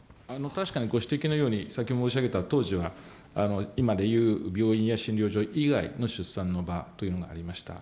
確かにご指摘のように、先ほど申し上げた当時は、今でいう病院や診療所以外の出産の場というものがありました。